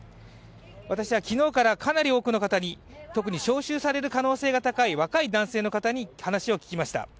私は昨日からかなり多くの方に、特に招集される可能性の高い若い男性の方に話を聞きました。